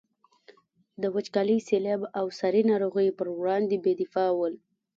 د وچکالي، سیلاب او ساري ناروغیو پر وړاندې بې دفاع ول.